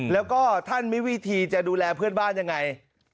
แล้วก็ท่านมีวิธีจะดูแลเพื่อนบ้านยังไง